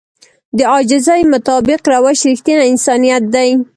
د عاجزي مطابق روش رښتينی انسانيت دی.